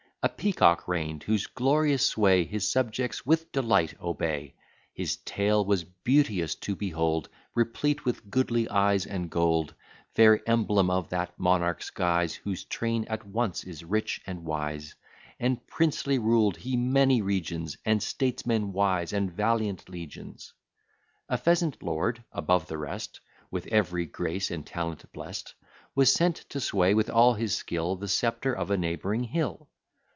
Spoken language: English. A peacock reign'd, whose glorious sway His subjects with delight obey: His tail was beauteous to behold, Replete with goodly eyes and gold; Fair emblem of that monarch's guise, Whose train at once is rich and wise; And princely ruled he many regions, And statesmen wise, and valiant legions. A pheasant lord, above the rest, With every grace and talent blest, Was sent to sway, with all his skill, The sceptre of a neighbouring hill.